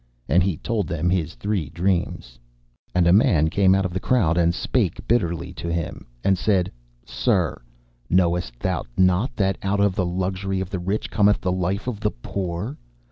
And he told them his three dreams. And a man came out of the crowd and spake bitterly to him, and said, 'Sir, knowest thou not that out of the luxury of the rich cometh the life of the poor?